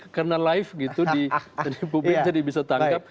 karena live gitu di publik jadi bisa tangkap